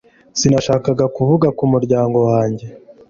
Sinshaka kuvuga ku muryango wanjye